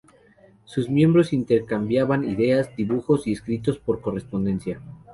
Sus miembros intercambiaban ideas, dibujos y escritos por correspondencia.